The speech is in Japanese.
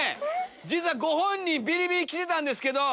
実はご本人ビリビリ来てたんですけど